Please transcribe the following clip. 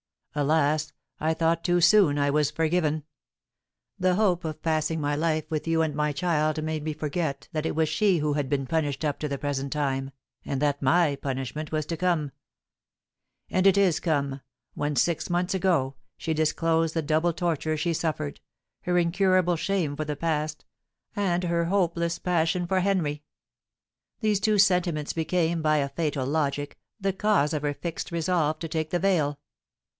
Alas! I thought too soon I was forgiven! The hope of passing my life with you and my child made me forget that it was she who had been punished up to the present time, and that my punishment was to come. And it is come, when, six months ago, she disclosed the double torture she suffered, her incurable shame for the past, and her hopeless passion for Henry. These two sentiments became, by a fatal logic, the cause of her fixed resolve to take the veil.